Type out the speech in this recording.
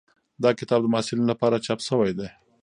دا کتاب د محصلینو لپاره چاپ شوی دی.